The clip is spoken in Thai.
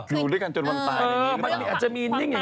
อยู่ด้วยกันจนวันตายมันอาจจะมีนิ่งอย่างนั้น